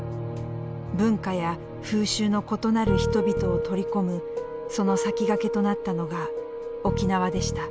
文化や風習の異なる人々を取り込むその先駆けとなったのが沖縄でした。